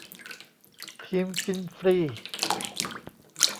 ทีมกินฟรี